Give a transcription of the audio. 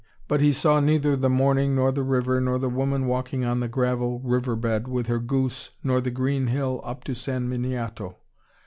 But he saw neither the morning nor the river nor the woman walking on the gravel river bed with her goose nor the green hill up to San Miniato.